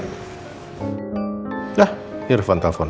nah irfan telfon